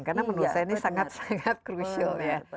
karena menurut saya ini sangat sangat crucial ya